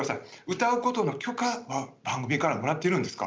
歌うことの許可は番組からもらっているんですか？